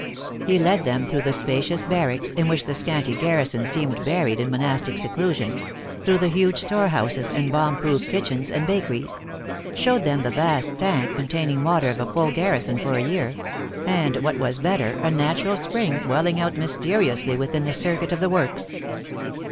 lie led them through the spacious barracks, in which the scanty garrison seemed buried in monastic seclusion ; through the huge store houses and bomb proof kitchens and bake ries ; showed them the vast tank containing water for a full garrison for a year ; and what was better, a natural spring, welling out mysteriously within the circuit of the works.